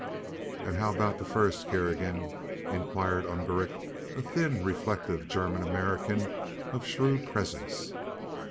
"And how about the first, Kerrigan?" inquired Ungerich, a thin, reflective German American of shrewd presence.